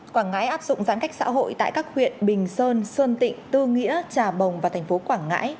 quảng ngãi áp dụng giãn cách xã hội tại các huyện bình sơn sơn tịnh tư nghĩa trà bồng và thành phố quảng ngãi